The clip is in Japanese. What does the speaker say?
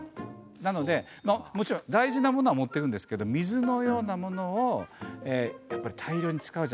なのでもちろん大事なものは持って行くんですけど水のようなものをやっぱり大量に使うじゃないですか。